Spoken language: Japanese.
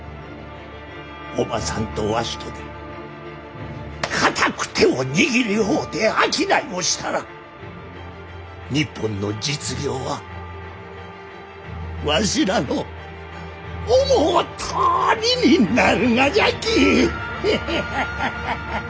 おまさんとわしとで固く手を握り合うて商いをしたら日本の実業はわしらの思うとおりになるがじゃき。ハハハハハハハ。